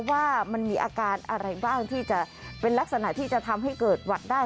ว่ามันมีอาการอะไรบ้างที่จะเป็นลักษณะที่จะทำให้เกิดหวัดได้